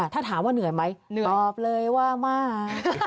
ถ้าถามว่าเหนื่อยไหมตอบเลยว่ามาก